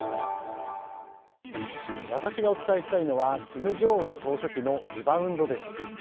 私がお伝えしたいのは金正恩総書記のリバウンドです。